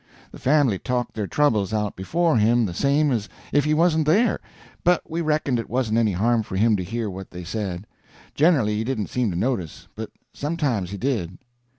The family talked their troubles out before him the same as if he wasn't there, but we reckoned it wasn't any harm for him to hear what they said. Generly he didn't seem to notice, but sometimes he did.